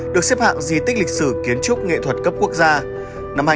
được xếp hạng di tích lịch sử kiến trúc nghệ thuật cấp quốc gia